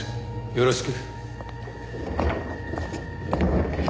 よろしく。